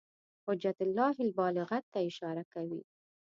حجة الله البالغة ته اشاره کوي.